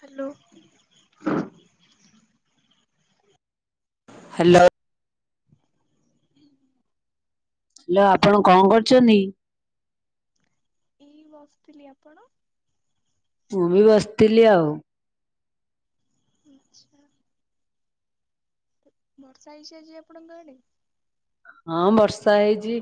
Hello. Hello. Hello ଆପଣ କଣ କରୁଛନ୍ତି? ଏଇ ବସିଥିଲି ଆପଣ। ମୁଁ ବି ବସିଥିଲି ଆଉ। ଆଚ୍ଛା। ବର୍ଷା ହେଇଛି ଆଜି ଆପଣଙ୍କ ଆଡେ? ହଁ ବର୍ଷା ହେଇଛି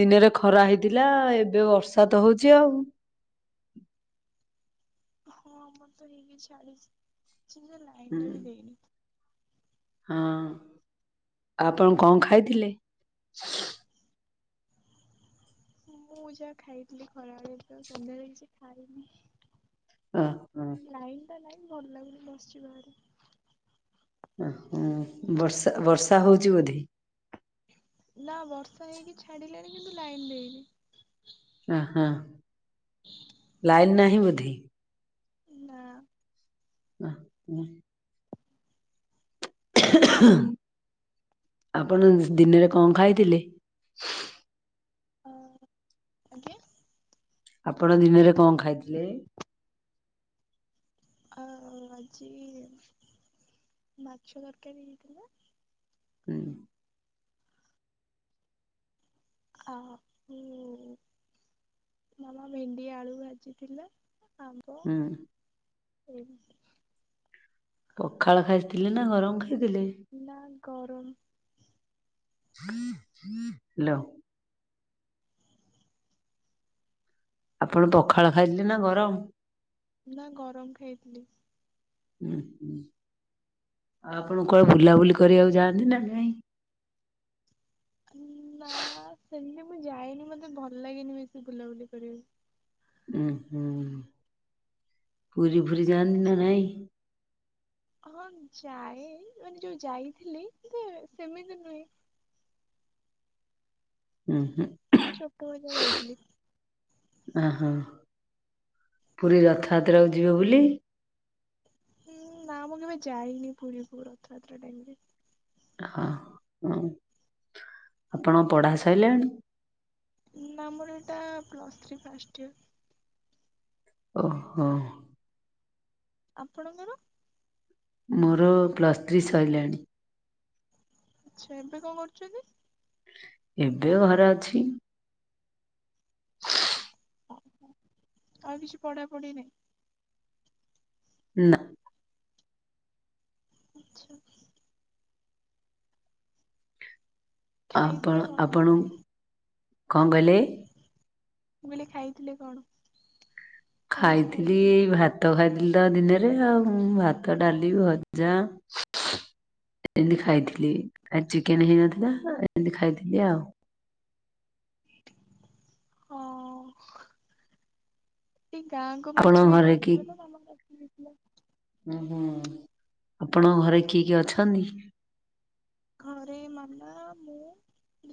ଦିନରେ ଖରା ହେଇଥିଲା ଏବେ ବର୍ଷା ତ ହଉଛି ଆଉ। ହଁ ଆମର ତ ହେଇକି ଛାଡ଼ିଛି ଯେ ଲାଇନ ଟା ବି ଦେଇନି। ହଁ ଆଉ ଆପଣ କଣ ଖାଇଥିଲେ? ମୁଁ ଯାହା ଖାଇଥିଲି ଖରାବେଳେ ତ ସନ୍ଧ୍ୟାାରେ କିଛି ଖାଇନି। ଓ। ଲାଇନ୍ ଟା ନାହିଁ ଭଲ ଲାଗୁନି ବସିଛି ବାହାରେ। ଓହୋ ବର୍ଷା ବର୍ଷା ହଉଚି ବୋଧେ? ନା ବର୍ଷା ହେଇକି ଛାଡ଼ିଲାଣି କିନ୍ତୁ ଲାଇନ୍ ଦେଇନି। ଓହୋ। ଲାଇନ ନାହିଁ ବୋଧେ? ନା। ହ ହୁଁ। [unintelligible] ଆପଣ ଦିନରେ କଣ ଖାଇଥିଲେ? ଓ ଆଜ୍ଞା। ଆପଣ ଦିନରେ କଣ ଖାଇଥିଲେ? ଆ ଆଜି ମାଛ ତରକାରୀ ହେଇଥିଲା। ହୁଁ। ଆ ହୁ ମାମା ଭେଣ୍ଡି ଆଳୁ ଭାଜିଥିଲା। ଆମ୍ବ ହୁଁ ସେମତି ପଖାଳ ଖାଇଥିଲେ ନା ଗରମ ଖାଇଥିଲେ? ନା ଗରମ? ହ୍ୟାଲୋ। ଆପଣ ପଖାଳ ଖାଇଥିଲେ ନା ଗରମ? ନା ଗରମ ଖାଇଥିଲି। ହୁଁ ହୁଁ ଆଉ ଆପଣ କୁଆଡେ ବୁଲାବୁଲି କରିବାକୁ ଯାଆନ୍ତି ନା ନାହିଁ। ନା ସେମିତି ମୁଁ ଯାଏନି ମତେ ଭଲ ଲାଗେନି ବେଶୀ ବୁଲାବୁଲି କରିବାକୁ। ଉ ହୁଁ ପୁରୀ ଫୁରି ଯାନ୍ତି ନା ନାଇଁ? ହଁ ଯାଏ ମାନେ ଯୋଉ ଯାଇଥିଲି କିନ୍ତୁ ସେମିତି ନୁହେଁ। ହୁଁ ହୁଁ ଛୋଟବେଳେ ଯାହା ଯାଇଥିଲି ଓ ହୋ। ପୁରୀ ରଥଯାତ୍ରାକୁୁ ଯିବେ ବୋଲି ହୁଁ ନା ମୁଁ କେବେ ଯାଇନି ପୁରୀକୁ ରଥଯାତ୍ରା ଟାଇମ ରେ। ହ ହ ଆପଣ ଙ୍କ ପଢା ସଇଲାଣି? ନ ମର ଏଟା ପ୍ଲସ୍ ଥ୍ରୀ ଫାଷ୍ଟ ୟର। ଓ ହଁ। ଆପଣଙ୍କର? ମୋର ପ୍ଲସ୍ ଥ୍ରୀ ସରିଲାଣି। ଆଚ୍ଛା ଏବେ କଣ କରୁଛନ୍ତି? ଏବେ ଘରେ ଅଛି। [inaudible] ଓ ଆଉ କିଛି ପଢା ପଢି ନାହିଁ? ନା ମିଛ ଆପଣ ଖାଇଥିଲେ କଣ? ଆପଣ ମୁଁ କଣ କହିଲେ? କଇଲି ଖାଇଥିଲେ କଣ? ନା କିଛି ଖାଇଥିଲି ଖାଇନାହାନ୍ତି ଭା ଭାତ ଖାଇଥିଲିତ ଦିନରେ ଆଉ ଭାତ ଡ଼ାଲି ଭଜା। ଏତିକି ଖାଇଥିଲି ଆଜି ଚିକେନ୍ ହେଇନଥିଲା ଏମିତି ଖାଇଥିଲି ଆଉ। ହଁ। ଏଇ ଗାଁକୁ ଆପଣଙ୍କ ମାଛ ଘରେ ବିକା ଆସିଥିଲାତ ମାମା ରଖିଦେଇଥିଲା। ଉ ହୁଁ ଆପଣଙ୍କ ଘରେ କିଏ କିଏ ଅଛନ୍ତି? ଘରେ ମାମା ମୁଁ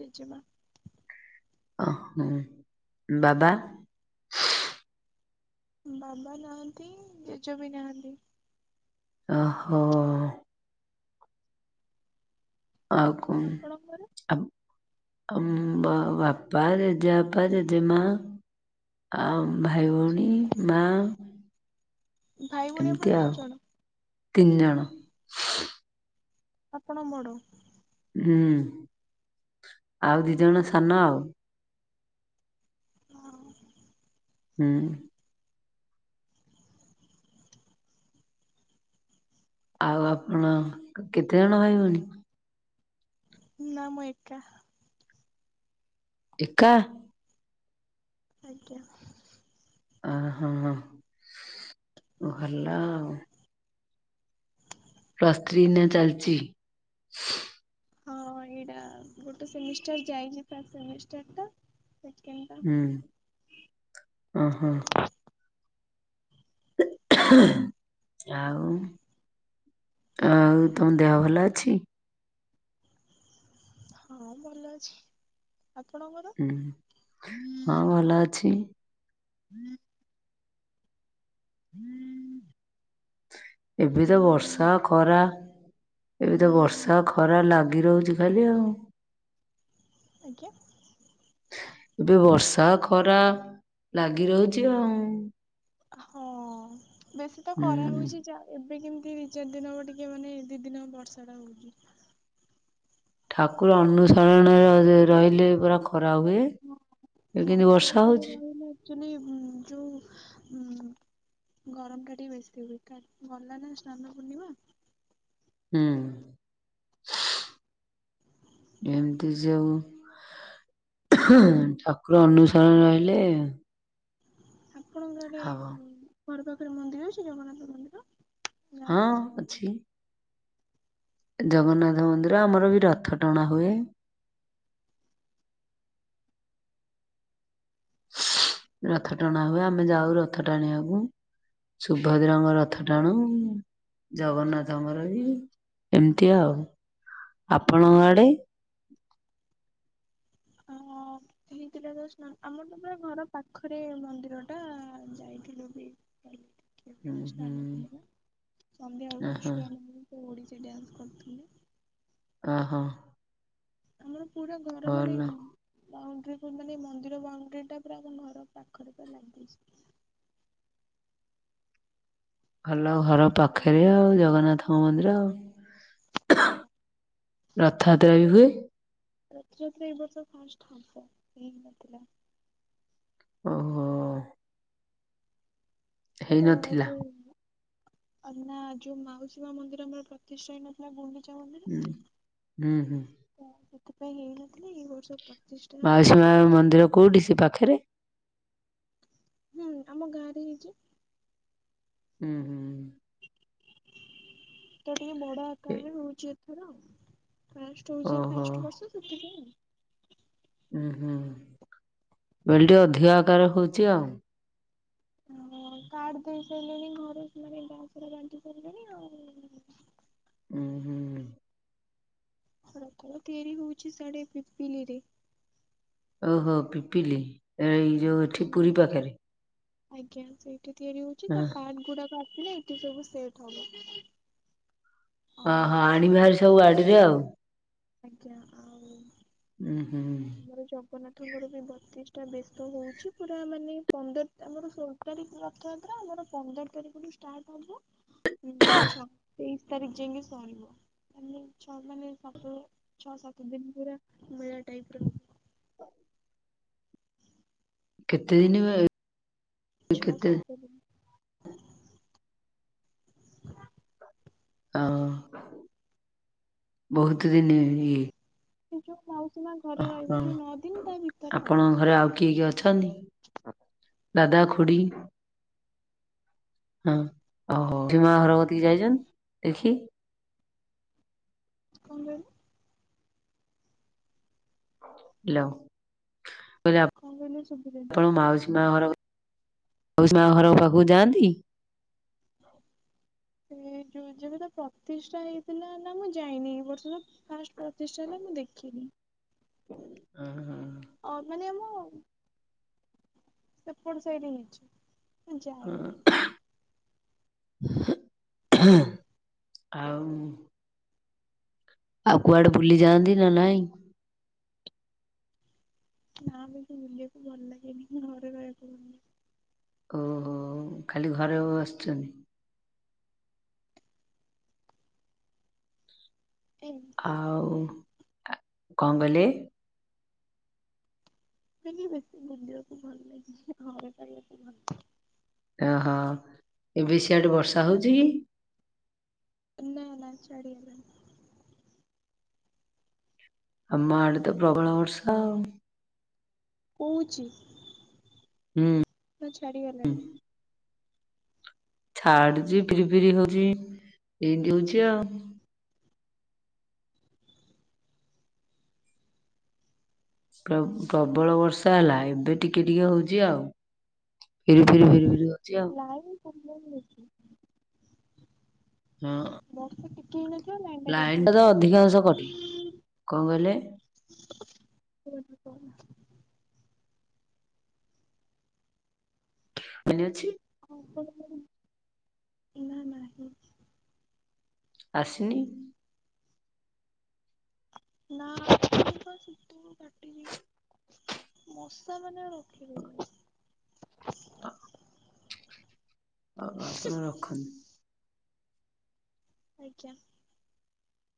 ଜେଜେମା। ଓ ହଁ ବାବା? ବାବା ନାହାନ୍ତି ଜେଜ ବି ନାହାନ୍ତି। ଓହୋ। ଆଉ କଣ ଆପଣଙ୍କର ଆ ଆ ବା ବାପା ଜେଜେବାପା ଜେଜେମା ଆଉ ଭାଇ ଭଉଣୀ ମା ଭାଇ ଭଉଣୀ ଆପଣ ଏମିତି କେତେ ଆଉ ଜଣ ତିନିଜଣ। ଆପଣ ବଡ଼? ହୁଁ ଆଉ ଦିଜଣ ସାନ ଆଉ। ଓହୋ। ହୁଁ। [inaudible] ଆଉ ଆପଣ କେତେଜଣ ଭାଇଭଉଣୀ? ନା ମୁଁ ଏକା। ଏକା? ଆଜ୍ଞା। ଓହୋ ଭଲ ଆଉ। [inaudible] ପ୍ଲସ୍ ଥ୍ରୀ ଏଇନା ଚାଲିଚି? ହଁ ଏଇଟା ଗୋଟେ ସେମିଷ୍ଟାର ଯାଇଚି ଫାଷ୍ଟ୍ ସେମିଷ୍ଟାର ଟା ସେଖେଣ୍ତେଟା ହୁଁ ଓହୋ। ଆଉ। ଆଉ ତମ ଦେହ ଭଲ ଅଛି? ହଁ ଭଲ ଅଛି ଆପଣଙ୍କର? ଲଅଛି [inaudible] [inaudible] ଏବେ ତ ବର୍ଷା ଖରା ଏବେ ତ ବର୍ଷା ତ ଖରା ଲାଗି ରହୁଚି ଖାଲି ଆଉ। ଆଜ୍ଞା। ଏବେ ବର୍ଷା ଖରା ଲାଗି ରହୁଚି ଆଉ। ହଁ ବେଶୀ ତ ଖରା ହୁଁ ହଉଚି ଯା ଏବେ କେମିତି ଦିଇ ଚାରି ଦିନ ହବ ଟିକେ ମାନେ ଦିଦିନ ବର୍ଷା ଟା ହଉଚି। ଠାକୁର ଅନୁସରଣ ର ରହିଲେ ପରା ଖରା ହୁଏ। ହଁ ଏ କେମତି ବର୍ଷା ହଉଚି। ଆକ୍ଚୁଲି ଉ ଯୋଉ ଉ ଗରମ ଟା ଟିକେ ବେଶୀ ହୁଏ କା ଗଲା ନା ସ୍ନାନ ପୂର୍ଣ୍ଣିମା। ହୁଁ। ଏମିତି ଯେଉ ଠାକୁର ଅନୁସରଣ ରେ ରହିଲେ। ଆପଣଙ୍କର ହବ। ଏଟି ଘର ପାଖରେ ମନ୍ଦିର ଅଛି ଜଗନ୍ନାଥ ମନ୍ଦିର? ହଁ ଗାଁରେ ଅଛି। ଜଗନ୍ନାଥ ମନ୍ଦିର ଆମର ବି ରଥ ଟଣା ହୁଏ। ରଥ ଟଣା ହୁଏ ଆମେ ଯାଉ ରଥ ଟାଣିବାକୁ। ସୁଭଦ୍ରାଙ୍କ ରଥ ଟାଣୁ। ଜଗନ୍ନାଥଙ୍କର ବି ଏମତି ଆଉ ଆପଣଙ୍କ ଆଡେ? ଅ ହେଇଥିଲା ତ ଆମର ତ ପୁରା ଘର ପାଖରେ ମନ୍ଦିର ଟା ଯାଇଥିଲୁ ବି। ଯାଇଥିଲୁ ଦେଖିବା ହୁଁ ପାଇଁ ହୁଁ ସ୍ନାନ ପୂର୍ଣ୍ଣିମା ସନ୍ଧ୍ୟା ବେଳକୁ ଓହୋ ଛୁଆଙ୍କୁ ଓଡ଼ିଶୀ ଡ୍ୟାନ୍ସ୍ କରୁଥିଲି। ଅ ହ ଆମର ପୁରା ଘର ମାନେ ଭଲ। ବାଉଣ୍ଡିଙ୍ଗ୍ ମାନେ ମନ୍ଦିର ବାଉଣ୍ଡ୍ରିଟା ପୁରା ଆମ ଘର ପାଖରେ ପାଲାଗିଚି। ଭଲ ଘର ପାଖରେ ଆଉ ଜଗନ୍ନାଥ ମନ୍ଦିର ଆଉ। ରଥଯାତ୍ରା ବି ହୁଏ? [unintelligible] ରଥ ରେ ଏବର୍ଷ ଫାଷ୍ଟ ହାପ ହେଇନଥିଲା। ଓହୋ। ର ହେଇନଥିଲା ଯୋଉ ନାଁ ଯୋଉ ମାଉସୀ ମା ମନ୍ଦିର ମଠ [unintelligible] ଗୁଣ୍ଡିଚା ମନ୍ଦିର। ହୁଁ ହୁଁ ହୁଁ। ହଁ ସେଥିପାଇଁ ହେଇନଥିଲି ଏଇ ବର୍ଷ ପା ମାଉସୀ ମା ମନ୍ଦିର କଉଁଠି ସେ ପାଖରେ? ହୁଁ ଆମ ଗାଁ ରେ ହେଇଚି। ଉ ହୁଁ। ତ ଟିକେ ବଡ ଆକାରରେ ରହୁଚି ଏଥର [unintelligible] ହୋଉଛି ଓହୋ ଫାଷ୍ଟ ବର୍ଷ ସେଥିପାଇଁ ଆଉ। ଉହୁଁ- ମୁଁ କହିଲି ଟିକିଏ ଅଧିକା ଆକାର ହଉଚି ଆଉ। ଆଉ କାର୍ଡ ଦେଇ ସାରିଲେଣି ଘରେ ସେମାନେ ଗାଁ ସାରା ବାଣ୍ଟି ସାରିଲେଣି ଆଉ। ଉ ହୁଁ। ରଥ ତିଆରି ହଉଚି ସିଆଡେ ପିପିଲି ରେ। ଓହୋ ପିପିଲି ଏ ଏଇ ଯୋଉ ଏଠି ହୁଁ ପୁରୀ ପାଖରେ। ଆଜ୍ଞା ସେଇଠି ତିଆରି ହଉଚି ହଁ ତା ପାଟ ଗୁଡାକ ଆସିଲେ ଏଠି ସବୁ ସେଟ୍ ହବ। ଅ ଆଉ ହ-ଆଣିବେ ହାରି ସବୁ ଗାଡିରେ ଆଉ। ଆଜ୍ଞା ଆଉ ଉ ହୁଁ। ଆମର ଜଗନ୍ନାଥଙ୍କର ବି ବତିଷ୍ଟ୍ ଟା ବେଶ ହଉଚି ପୁରା ମାନେ ପନ୍ଦର ଆମର ଷୋଳ ତାରିଖ ରଥଯାତ୍ରା ଆମର ପନ୍ଦର ତାରିଖରୁୁ ଷ୍ଟାର୍ଟ ହବ। ଉ ଛତେଇଶ୍ ତାରିଖ ଯାଇକି ସରିବ ମାନେ ଛଅ ମାନେ ସାତ ଛଅ ସାତ ଦିନ ପୁରା ମେଳା ଟାଇପ୍ ର କେତେ ଦିନି ହୁଏ? ଛଅ ସାତ ଦିନ। ହ ବହୁତ ଦିନ ଇଏ। ସେ ଯୋଉ ମାଉସୀ ମା ଘରେ ରହିବେ ଯୋଉ ନଅ ଦିନ ତା ଭିତରେ ଆଉ। ତମ ଘରେ ଆଉ କି କେ ଅଛନ୍ତି? ଦାଦାଖୁଡ଼ି ହଁ ଓହୋ ମା ଭରବତୀ ଯାଇଛନ୍ ଦେଖି କଣ କହିଲେ? ଲୋ କହିଲି ଆ କଣ କହିଲେ ଶୁଭିଲାନି? ତୋମେ ମାଉସୀ ମା ଘର, ମାଉସୀ ମା ଘର ପାଖକୁ ଯାଆନ୍ତି? ସେ ଯୋ ଯେବେ ତା ପ୍ରତିଷ୍ଠା ହେଇଥିଲା ହେଲା ମୁଁ ଯାଇନି। ଏ ବର୍ଷ ତ ଫାଷ୍ଟ ପ୍ରତିଷ୍ଟା ହେଲା ମୁଁ ଦେଖିନି। ଓହୋ। ଅ, ମାନେ ମୁଁ ସେପଟ ସାଇଟ୍ ହେଇଛି, ନା ଯାଇନି। ଆଉ ଆଉ କୁଆଡେ ବୁଲି ଯାଆନ୍ତି ନା ନାଇଁ? ନା ମୋତେ ବୁଲିବାକୁ ଭଲ ଲାଗେନି। ଘରେ ରହିବାକୁ ଭଲ। ଓହୋ! ଖାଲି ଘରେ ବସିଛନ୍ତି। ଲାଗେ। ଏମିତି ଆଉ ଆ, କଣ କହିଲେ? ସେମିତି ବେଶୀ ବୁଲିବାକୁ ଭଲ ଲାଗେ, ହେ ଘର ଟା ଇଏରେ ସବୁ ଭଲ। ଏ ହଁ, ଏବେ ସିଆଡେ ବର୍ଷା ହଉଚି କି? ଏ ନା ନା ଛାଡି ଗଲାଣି। ଆମ ଆଡେ ତ ପ୍ରବଳ ବର୍ଷ ଆଉ। କୋଉଛି। ହୁଁ। ହଁ ଛାଡି ଗଲାଣି। ଛାଡୁଚି, ଫିରି ଫିରି ହଉଛି, ଏମତି ହଉଛି ଆଉ। ପ୍ରବ ପ୍ରବଳ ବର୍ଷା ହେଲା ଏବେ ଟିକେ ଟିକେ ହଉଛି ଆଉ। ଫିରି ଫିରି ଫିରିି ହଉଚି ଆଉ। ନାଇ ପ୍ରବ୍ଲେମ୍ ଅଛି। ହଁ ବର୍ଷା ଟିକେ ହେଇନଥିବ ନାଇନ୍ ଟା ଲାଇନ କାଟିକି ତ ବସତେ। ଅଧିକାଂଶ କଟେ କଣ କହିଲେ ସେ ବାଟରେ କନା? ମନେ ଅଛି? [inaudible] ଏଇନା ନାହିଁ। ଆସିନି? ନା [inaudible] ପା ସିତୁ କାଟିିବି। ମଶା ମାନେ ଆଉ ରଖିଇ ଦଉନାହାନ୍ତି। ଓହୋ, ଆପଣ ରଖନ୍। ଆଜ୍ଞା।